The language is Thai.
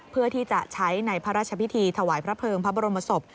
เพื่อที่จะใช้ในพระราชพิธีถวายพระเภิงพระบรมศพ